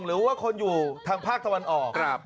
หรือว่าคนอยู่ทางภาคตะวันออก